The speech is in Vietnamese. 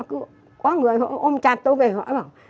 có người họ ôm chặt tôi về họ